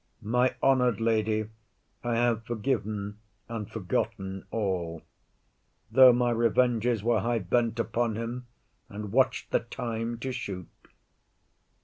My honour'd lady, I have forgiven and forgotten all, Though my revenges were high bent upon him, And watch'd the time to shoot.